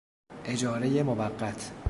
اجارهی موقت